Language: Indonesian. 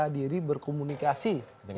buka diri berkomunikasi